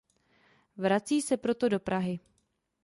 Vrací se proto do Prahy.